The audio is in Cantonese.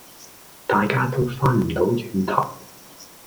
大家都翻唔到轉頭